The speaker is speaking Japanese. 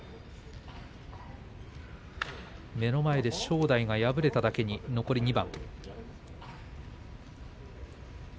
目の前で正代が敗れただけに残り２番。